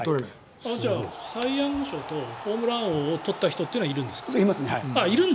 じゃあサイ・ヤング賞とホームラン王を取った人はいるんですか？